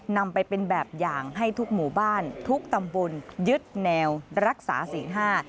นำไปเป็นแบบอย่างให้ทุกหมู่บ้านทุกตำบลยึดแนวรักษาศีลห้า